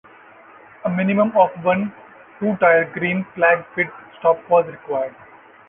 A minimum of one two-tire green flag pit stop was required.